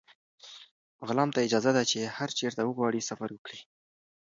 غلام ته اجازه ده چې هر چېرته وغواړي سفر وکړي.